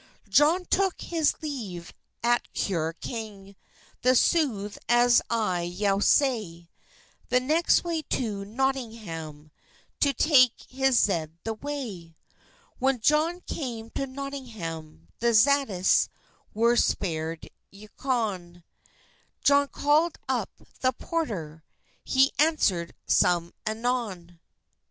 Johne toke his leve at cure kyng, The sothe as I yow say; The next way to Notyngham To take he zede the way. When Johne came to Notyngham The zatis were sparred ychone; Johne callid vp the porter, He answerid sone anon.